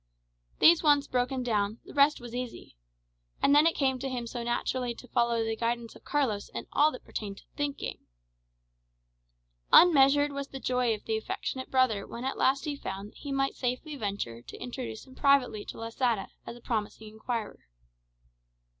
These once broken down, the rest was easy. And then it came to him so naturally to follow the guidance of Carlos in all that pertained to thinking. Unmeasured was the joy of the affectionate brother when at last he found that he might safely venture to introduce him privately to Losada as a promising inquirer.